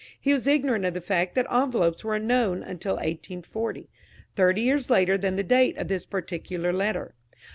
He was ignorant of the fact that envelopes were unknown until 1840, thirty years later than the date of this particular letter.